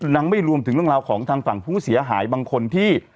มันนักไม่รวมถึงเรื่องราวของภูมิเสียหายบางคนที่